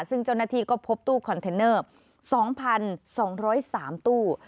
ซึ่งเจ้าหน้าที่ก็พบตู้คอนเทนเนอร์๒๒๐๓ตู้